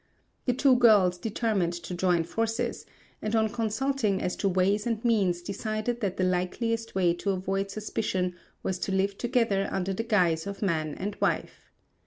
The two girls determined to join forces; and on consulting as to ways and means decided that the likeliest way to avoid suspicion was to live together under the guise of man and wife.